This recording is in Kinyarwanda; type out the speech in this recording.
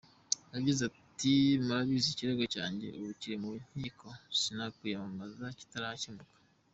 Yagize ati "Murabizi ikirego cyanjye ubu kiri mu nkiko, sinakwiyamamaza kitarakemuka.